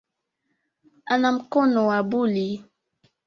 Ana mkono wa buli